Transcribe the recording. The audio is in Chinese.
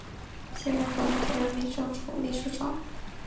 现任河南省人民政府秘书长。